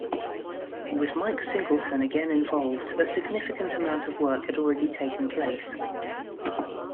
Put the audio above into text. With Mike Singleton again involved, a significant amount of work had already taken place.